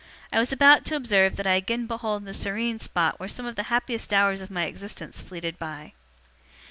I was about to observe that I again behold the serene spot where some of the happiest hours of my existence fleeted by.